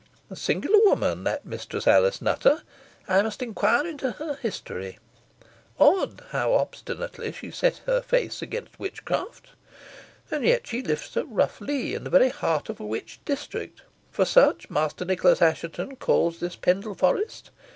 A singular woman, that Mistress Alice Nutter. I must inquire into her history. Odd, how obstinately she set her face against witchcraft. And yet she lives at Rough Lee, in the very heart of a witch district, for such Master Nicholas Assheton calls this Pendle Forest.